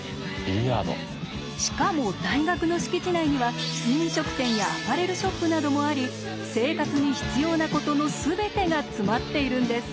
しかも大学の敷地内には飲食店やアパレルショップなどもあり生活に必要なことの全てが詰まっているんです。